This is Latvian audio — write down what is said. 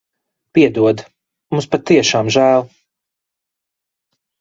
Piedod. Mums patiešām žēl.